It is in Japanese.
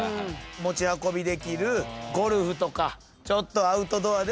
持ち運びできるゴルフとかちょっとアウトドアでも食べやすい。